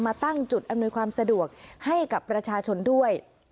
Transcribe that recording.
ตั้งจุดอำนวยความสะดวกให้กับประชาชนด้วย